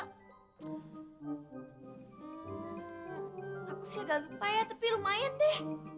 aku sih agak lupa ya tapi lumayan deh